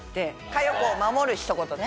佳代子を守る一言ね。